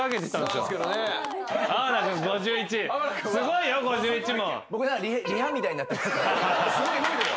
すごいよ５１も。